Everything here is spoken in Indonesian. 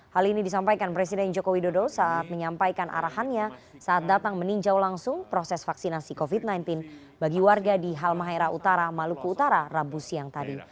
hal ini disampaikan presiden joko widodo saat menyampaikan arahannya saat datang meninjau langsung proses vaksinasi covid sembilan belas bagi warga di halmahera utara maluku utara rabu siang tadi